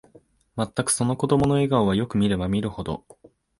まったく、その子供の笑顔は、よく見れば見るほど、